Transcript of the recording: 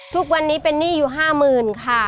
ทุกวันนี้เป็นหนี้อยู่ห้าหมื่นค่ะ